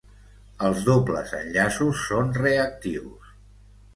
Els dobles enllaços són reactius.